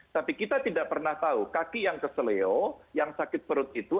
tapi kita tidak pernah tahu kaki yang keselio yang sakit perut itu